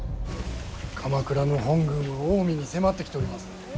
鎌倉の本軍は近江に迫ってきております。